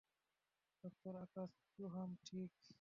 Doctor Akash Chauhan, ঠিক?